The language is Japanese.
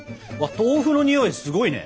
豆腐のにおいすごいね。